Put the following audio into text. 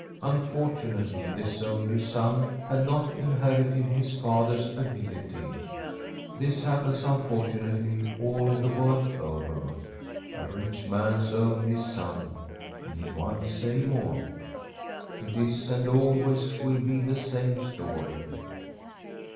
Unfortunately, this only son had not inherited his father's ability. This hap pens, unfortunately, all the world over. A rich man's only son. Need one say more? It is, and always will be, the same story.